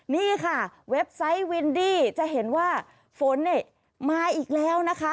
นี่ค่ะเว็บไซต์วินดี้จะเห็นว่าฝนเนี่ยมาอีกแล้วนะคะ